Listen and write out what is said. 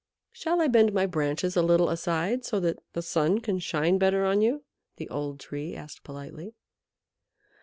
"Shall I bend my branches a little aside so that the sun can shine better on you?" the Old Tree asked politely.